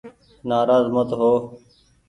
نآراز مت هو